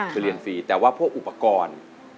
คือเรียนฟรีแต่ว่าพวกอุปกรณ์